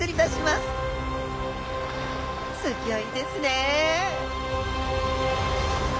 すギョいですね！